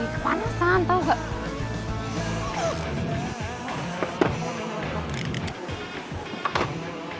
ke panasan tau gak